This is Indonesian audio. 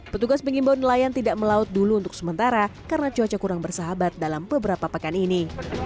petugas mengimbau nelayan tidak melaut dulu untuk sementara karena cuaca kurang bersahabat dalam beberapa pekan ini